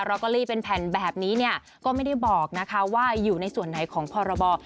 เกอรี่เป็นแผ่นแบบนี้เนี่ยก็ไม่ได้บอกนะคะว่าอยู่ในส่วนไหนของพรบ